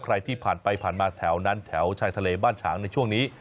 ใครที่ผ่านไปผ่านมาแถวนั้นแถวชายทะเลบ้านฉางในช่วงนี้